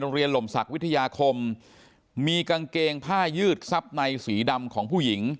หล่มศักดิ์วิทยาคมมีกางเกงผ้ายืดซับในสีดำของผู้หญิง